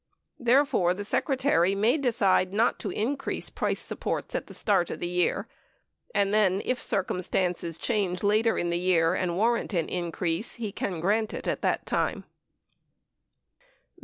Therefore, the Secre tary may decide not to increase price supports at the start of the year and then, if circumstances change later in the year and warrant an increase, he can grant it at that time.